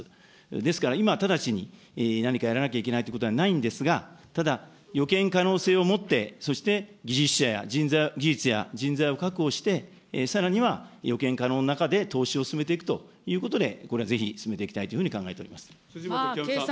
ですから今直ちに、何かやらなきゃいけないということはないんですが、ただ、予見可能性をもって、そして技術者や人材、技術者や人材を確保して、さらには予見可能な中で、投資を進めていくという中でこれはぜひ進めていきたいというふう辻元清美さん。